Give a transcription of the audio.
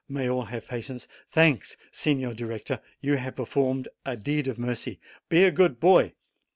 May all have patience. Thanks, Signor Director; you have performed a deed of mercy. Be a good boy.